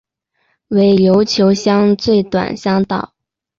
为琉球乡最短乡道。